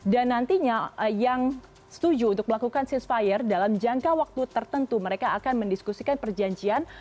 dan nantinya yang setuju untuk melakukan ceasefire dalam jangka waktu tertentu mereka akan mendiskusikan perjanjian